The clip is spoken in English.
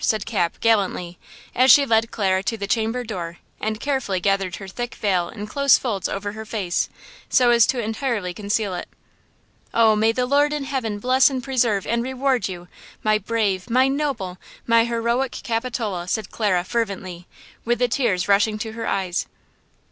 said Cap, gallantly, as she led Clara to the chamber door and carefully gathered her thick veil in close folds over her face, so as entirely to conceal it. "Oh, may the Lord in heaven bless and preserve and reward you, my brave, my noble, my heroic Capitola!" said Clara, fervently, with the tears rushing to her eyes.